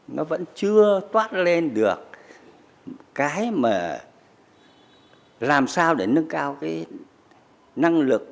nó vẫn chưa toát lên được cái mà làm sao để nâng cao cái năng lực